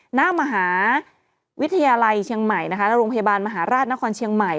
หน้ามหาวิทยาลัยเชียงใหม่นะคะและโรงพยาบาลมหาราชนครเชียงใหม่